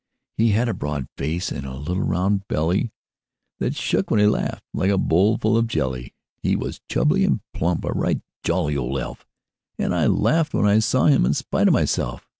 He had a broad face, and a little round belly That shook when he laughed, like a bowl full of jelly. He was chubby and plump a right jolly old elf; And I laughed when I saw him in spite of myself.